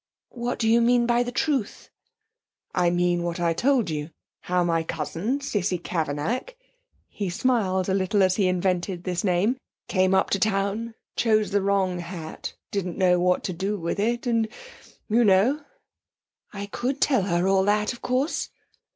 'What do you mean by the truth?' 'I mean what I told you how my cousin, Cissie Cavanack,' he smiled a little as he invented this name, 'came up to town, chose the wrong hat, didn't know what to do with it and, you know!' 'I could tell her all that, of course.'